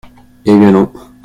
Eh bien non !